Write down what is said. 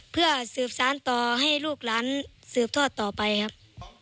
เพื่อสืบสารต่อให้ลูกหลานสืบทอดต่อไปครับ